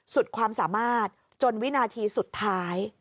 สุดความสามารถจนวินาทีสุดท้าย